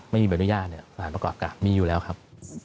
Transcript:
ไม่มีใบอนุญาตสถานประกอบการมีอยู่แล้วครับ